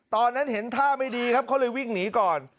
ตอนนั้นเห็นท่าไม่ดีครับเขาเลยวิ่งหนีก่อน